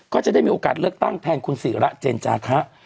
ก็จะได้มีโอกาสเลือกตั้งแทนคุณศิระเจนจาคะ